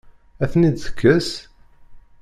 Ad ten-id-tekkes?